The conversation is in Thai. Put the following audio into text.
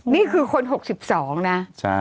นี่คือคน๖๒นะ